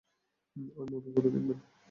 ওই মুভিগুলো দেখবেন।